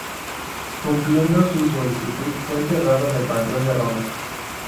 Cumpliendo su solicitud, fue enterrado en el Panteón de Roma.